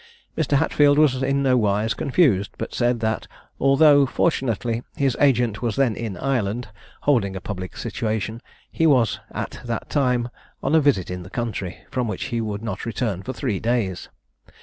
Mr. Hatfield was in nowise confused, but said that although, fortunately, his agent was then in Ireland holding a public situation, he was, at that time, on a visit in the country, from which he would not return for three days.